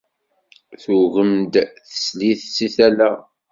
Tugem-d teslit si tala.